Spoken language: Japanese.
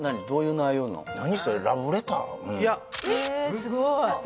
すごい